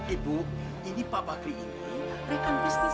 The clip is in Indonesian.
ibu ini pak fakri ini rekan bisnis